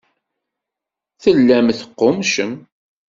Tellam teqqummcem.